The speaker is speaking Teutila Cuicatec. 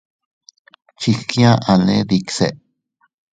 Chigkiaʼale dikse.